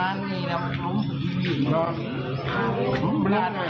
ยังเลย